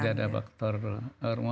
tidak ada faktor